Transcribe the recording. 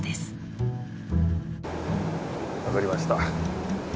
分かりました。